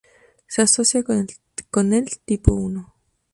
Se asocia con el "tipo I".